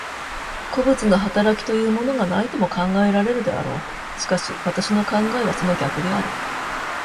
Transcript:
個物の働きというものがないとも考えられるであろう。しかし私の考えはその逆である。